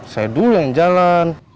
saya dulu yang jalan